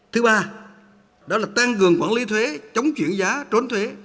thứ ba đó là tăng cường quản lý thuế chống chuyển giá trốn thuế